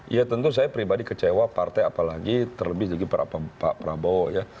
ya tentu saya pribadi kecewa partai apalagi terlebih lagi pak prabowo ya